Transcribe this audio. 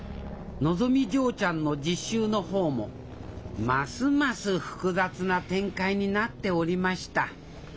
のぞみ嬢ちゃんの実習の方もますます複雑な展開になっておりました